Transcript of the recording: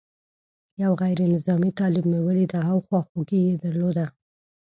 یو غیر نظامي طالب مې ولید او خواخوږي یې درلوده.